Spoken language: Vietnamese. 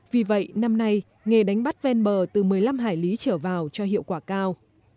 vì vậy năm nay nghề đánh bắt ven bờ từ một mươi năm hải lý trở vào cho hiệu quả cao